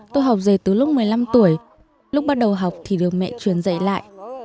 tôi học về từ lúc một mươi năm tuổi lúc bắt đầu học thì được mẹ truyền dạy lại